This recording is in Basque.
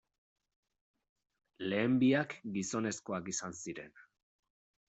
Lehen biak, gizonezkoak izan ziren.